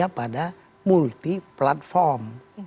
akhirnya bisa bekerja pada multi platform